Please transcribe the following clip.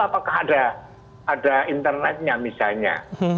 apakah ada internetnya misalnya